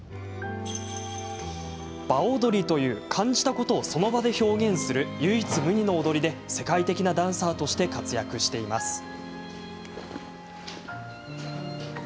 場踊りという感じたことを、その場で表現する唯一無二の踊りで世界的なダンサーとして活躍しています。